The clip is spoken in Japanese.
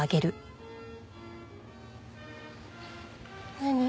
何？